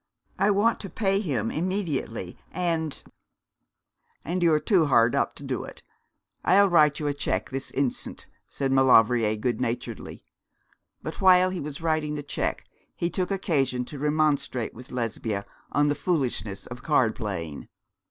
I want to pay him immediately, and ' 'And you are too hard up to do it. I'll write you a cheque this instant,' said Maulevrier goodnaturedly; but while he was writing the cheque he took occasion to remonstrate with Lesbia on the foolishness of card playing.